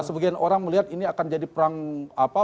sebagian orang melihat ini akan jadi perang apa